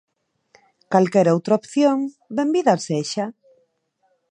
Calquera outra opción, benvida sexa.